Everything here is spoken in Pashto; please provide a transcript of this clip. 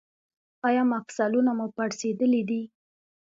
ایا مفصلونه مو پړسیدلي دي؟